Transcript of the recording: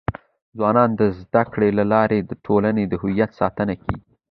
ځوانان د زده کړي له لارې د ټولنې د هویت ساتنه کيږي.